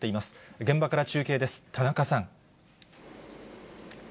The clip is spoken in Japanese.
現場から中継です、田中さん。